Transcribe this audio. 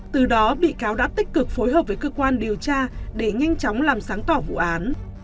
từ đó bị cáo đã tích cực phối hợp với cơ quan điều tra để nhanh chóng làm sáng tỏ vụ án